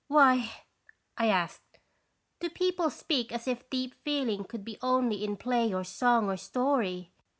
"Why," I asked, "do people speak as if deep feeling could be only in play or song or story?"